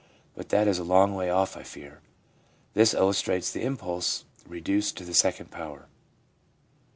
But that is a long way off, I fear/ This illustrates the impulse reduced to the second power.